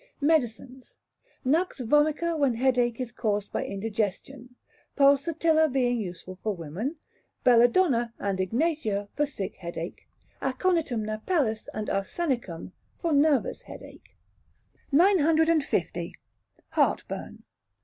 Medicines. Nux vomica when headache is caused by indigestion; Pulsatilla being useful for women; Belladonna and Ignatia, for sick headache; Aconitum napellus and Arsenicum for nervous headache. 950. Heartburn.